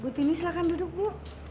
bu tini silahkan duduk bu